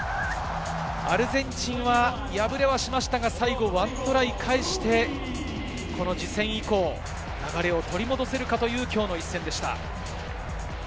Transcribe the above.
アルゼンチンは敗れはしましたが最後は１トライをかえして、次戦以降、流れを取り戻せるかというきょうの一戦でした。